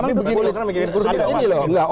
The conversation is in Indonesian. tapi begini loh